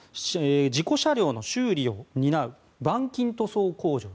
事故車両の修理を担う板金塗装工場。